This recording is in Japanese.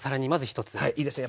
はいいいですね。